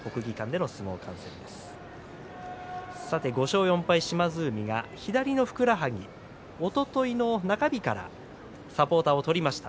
５勝４敗島津海が左のふくらはぎおとといの中日からサポーターを取りました。